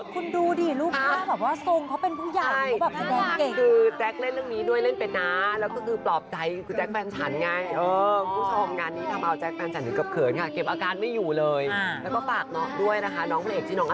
คุณดูดิรูปภาพแบบว่าทรงเขาเป็นผู้หญิงเขาแบบแสดงเก่ง